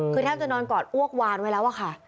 คือแทบจะนอนกอดอ้วกวานไว้แล้วอะค่ะ